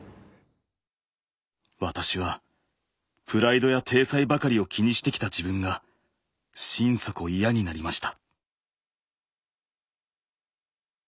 私はプライドや体裁ばかりを気にしてきた自分が心底嫌になりました。